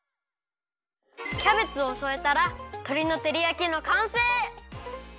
キャベツをそえたらとりのてりやきのかんせい！